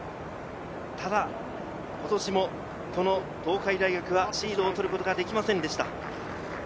ただ今年も東海大学はシードを取ることはできませんでした。